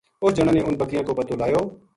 اس جنا نے اُنھ بکریاں کو پَتو لایو